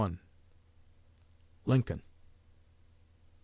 LINCOLN.